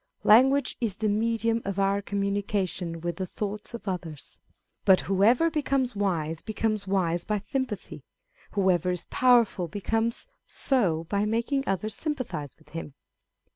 Language is the medium of our communication with the thoughts of others. But whoever becomes wise, becomes wise by sympathy ; whoever is powerful, becomes so by making others sympathise with him.